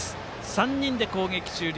３人で攻撃終了。